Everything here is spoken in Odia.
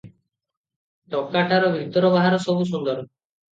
ଟୋକାଟାର ଭିତର ବାହାର ସବୁ ସୁନ୍ଦର ।